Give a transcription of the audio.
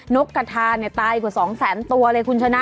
นกกระทาเนี่ยตายกว่าสองแสนตัวเลยคุณชนะ